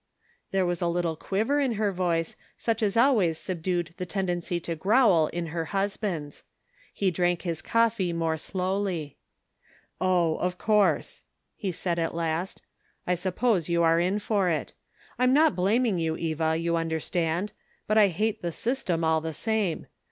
There was a little quiver in her voice, such as always subdued the tendency to growl in her husband's. He drank his coffee more slowly. " Oh, of course," he said at last. " I sup pose 3rou are in for it. I'm not blaming you Eva, you understand ; but I hate the system, all the same.